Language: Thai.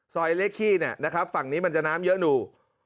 สอยเรกขี้ฝั่งนี้มันจะน้ำเยอะหนู